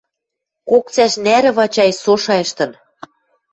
Кок цӓш нӓрӹ Вачай со шайыштын.